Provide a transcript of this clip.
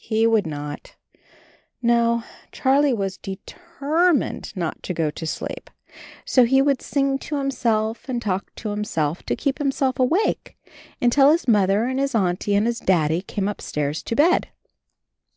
He would not. No, Charlie was de ter mined not to go to sleep. So he would AND HIS KITTEN TOPSY 77 sing to himself and talk to himself, to keep himself awake until his Mother and his Auntie and his Daddy came upstairs to bed.